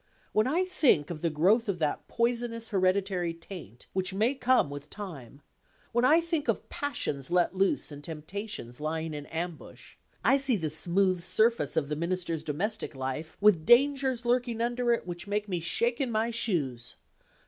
When I think of the growth of that poisonous hereditary taint, which may come with time when I think of passions let loose and temptations lying in ambush I see the smooth surface of the Minister's domestic life with dangers lurking under it which make me shake in my shoes.